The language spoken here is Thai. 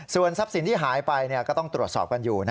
ส่วนทรัพย์สินที่หายไปก็ต้องตรวจสอบกันอยู่